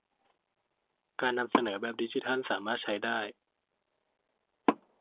การนำเสนอแบบดิจิทัลสามารถใช้ได้